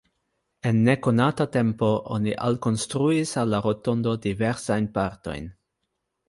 En nekonata tempo oni alkonstruis al la rotondo diversajn partojn.